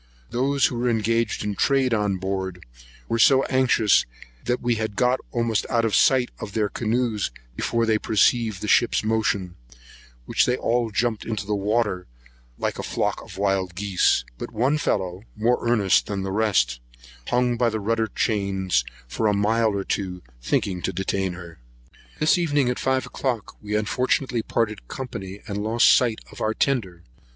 Those who were engaged in trade on board were so anxious, that we had got almost out of sight of their canoes before they perceived the ship's motion, when they all jumped into the water like a flock of wild geese; but one fellow, more earnest than the rest, hung by the rudder chains for a mile or two, thinking to detain her. This evening, at five o'clock, we unfortunately parted company, and lost sight of our tender.